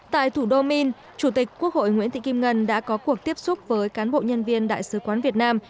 tại thủ đô min chủ tịch quốc hội nguyễn thị kim ngân đã có cuộc tiếp xúc với cán bộ nhân viên đại sứ quán việt nam